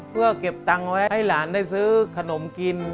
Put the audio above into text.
เพื่อเก็บตังค์ไว้ให้หลานได้ซื้อขนมกิน